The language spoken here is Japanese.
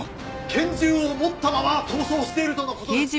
拳銃を持ったまま逃走しているとの事です！